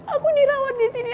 aku dirawat disini